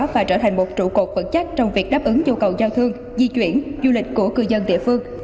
và trở thành một trụ cột vững chắc trong việc đáp ứng nhu cầu giao thương di chuyển du lịch của cư dân địa phương